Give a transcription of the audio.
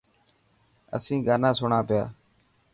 اسين گانا سڻان پيا.